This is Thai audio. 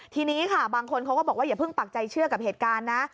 ทีนี้ค่ะบางคนเขาก็บอกว่าอย่าเพิ่งปักใจเชื่อกับเหตุการณ์นะ